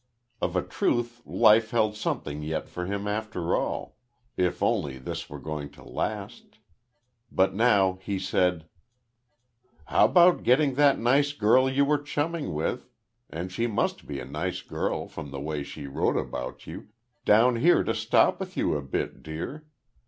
Of a truth life held something yet for him after all, if only this were going to last. But now he said: "How about getting that nice girl you were chumming with and she must be a nice girl from the way she wrote about you down here to stop with you a bit, dear?